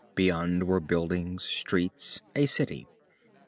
Beyond were buildings, streets, a city.